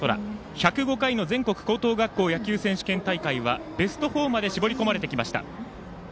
１０５回の全国高校野球選手権大会はベスト４まで絞り込まれてきました。